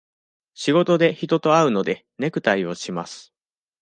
仕事で人と会うので、ネクタイをします。